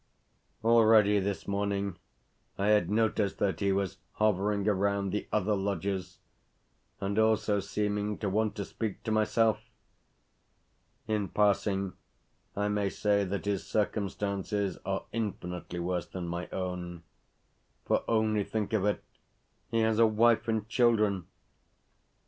Already, this morning, I had noticed that he was hovering around the other lodgers, and also seeming to want to speak to myself. In passing I may say that his circumstances are infinitely worse than my own; for, only think of it, he has a wife and children!